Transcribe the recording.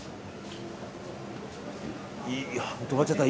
止まっちゃった。